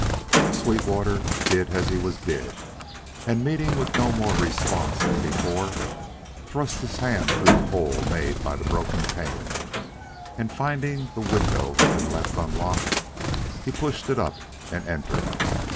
Sweetwater did as he was bid, and meeting with no more response than before, thrust his hand through the hole made by the broken pane; and finding the window had been left unlocked, he pushed it up and entered.